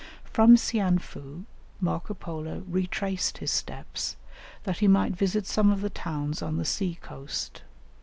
From Saianfu Marco Polo retraced his steps that he might visit some of the towns on the sea coast.